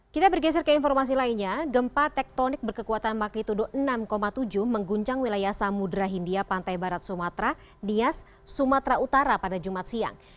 kita bergeser ke informasi lainnya gempa tektonik berkekuatan magnitudo enam tujuh mengguncang wilayah samudera hindia pantai barat sumatera nias sumatera utara pada jumat siang